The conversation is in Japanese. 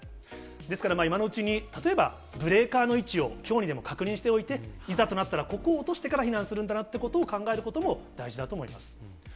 ですから今のうちに、例えば、ブレーカーの位置をきょうにでも確認しておいて、いざとなったらここを落としてから避難するんだなっていうことを考えることも大事だと思います。